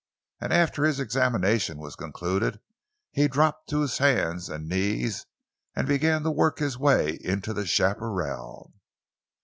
And after his examination was concluded, he dropped to his hands and knees and began to work his way into the chaparral.